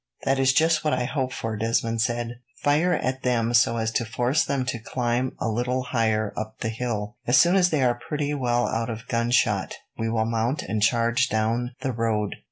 "That is just what I hoped for," Desmond said. "Fire at them, so as to force them to climb a little higher up the hill. As soon as they are pretty well out of gunshot, we will mount and charge down the road.